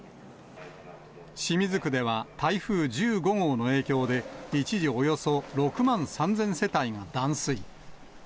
清水区では、台風１５号の影響で、一時およそ６万３０００世帯が断水。